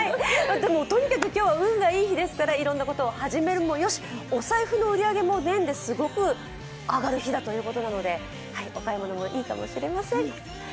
とにかく今日は運がいい日ですから、いろんなことを始めるもよし、お財布の売り上げもすごく上がる日ということですのでお買い物もいいかもしれません。